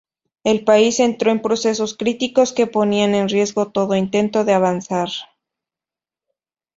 El país entró en procesos críticos que ponían en riesgo todo intento de avanzar.